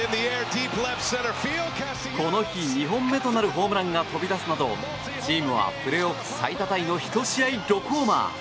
この日、２本目となるホームランが飛び出すなどチームは、プレーオフ最多タイの１試合６ホーマー。